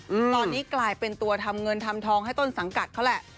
อืมตอนนี้กลายเป็นตัวทำเงินทำทองให้ต้นสังกัดเขาแหละ